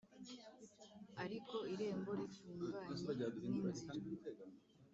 Ariko irembo rifunganye n inzira